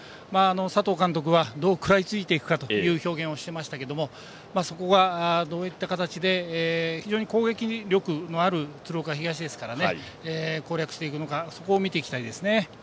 佐藤監督はどう食らいついていくかという表現をしていましたがそこがどういった形で非常に攻撃力のある鶴岡東ですから攻略していくのを見ていきたいですね。